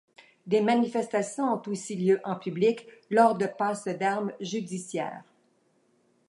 Des manifestations ont aussi lieu en public lors de passes d'armes judiciaires.